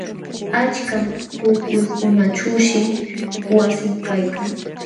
Achka pukyukunaćhuushi wasin kaykan.